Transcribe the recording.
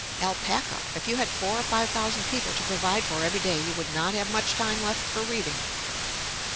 "Alpaca. If you had four or five thousand people to provide for every day, you would not have much time left for reading."